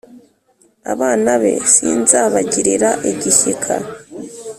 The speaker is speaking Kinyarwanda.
Abana be sinzabagirira igishyika,